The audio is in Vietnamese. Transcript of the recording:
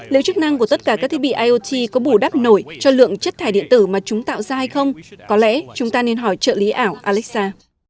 liệu chức năng của tất cả các thiết bị iot có bù đắp nổi cho lượng chất thải điện tử mà chúng tạo ra hay không có lẽ chúng ta nên hỏi trợ lý ảo alexa